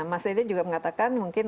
nah mas edi juga mengatakan mungkin